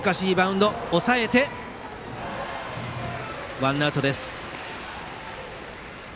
ワンアウトです。